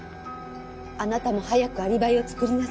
あなたも早くアリバイを作りなさい。